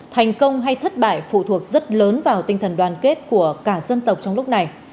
thành công hay thất bại phụ thuộc rất lớn vào tinh thần đoàn kết của cả dân tộc trong lúc này